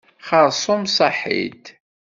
Xeṛṣum saḥit.